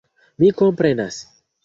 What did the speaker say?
Mi komprenas.